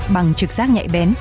bằng trực giác nhạy bén